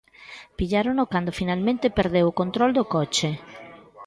Pillárono cando finalmente perdeu o control do coche.